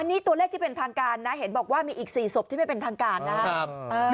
อันนี้ตัวเลขที่เป็นทางการนะเห็นบอกว่ามีอีก๔ศพที่ไม่เป็นทางการนะครับ